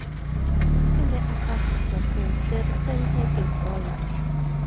In the above example, the return type is "void".